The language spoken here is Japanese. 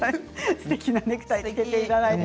すてきなネクタイをつけていただいて。